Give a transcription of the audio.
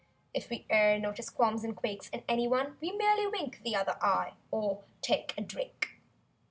If we e'er notice qualms and quakes In anyone, we merely wink The other eye, or—take a drink.